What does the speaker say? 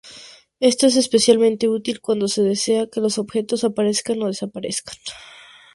Esto es especialmente útil cuando se desea que los objetos aparezcan o desaparezcan.